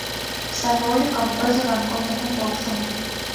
Сай вольыкым пызылан колтымет ок шу...